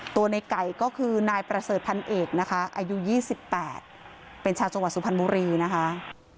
ในไก่ก็คือนายประเสริฐพันเอกนะคะอายุ๒๘เป็นชาวจังหวัดสุพรรณบุรีนะคะ